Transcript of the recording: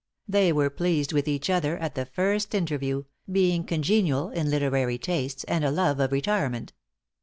They were pleased with each other at the first interview, being congenial in literary tastes, and a love of retirement.